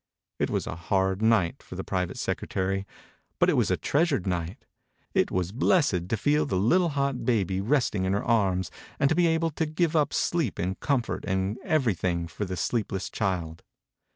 It was a hard night for the private secretary but it was a treasured night. It was blessed to feel the little hot baby rest 68 THE INCUBATOR BABY ing in her arms and to be able to give up sleep and comfort and everything for the sleepless child.